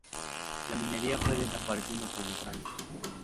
La minería fue desapareciendo con los años.